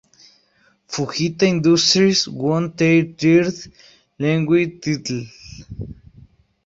Fujita Industries won their third League title.